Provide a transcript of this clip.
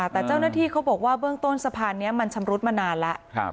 แต่เจ้าหน้าที่เขาบอกว่าเบื้องต้นสะพานนี้มันชำรุดมานานแล้ว